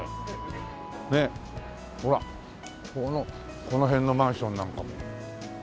ほらっこのこの辺のマンションなんかも。